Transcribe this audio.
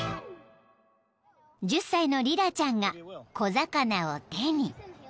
［１０歳のリラちゃんが小魚を手に］